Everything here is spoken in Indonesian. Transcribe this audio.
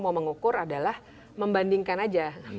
mau mengukur adalah membandingkan aja